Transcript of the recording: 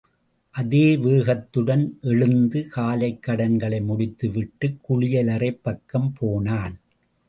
அதே வேகத்துடன், எழுந்து, காலைக் கடன்களை முடித்து விட்டுக் குளியலறைப் பக்கம் போனான்.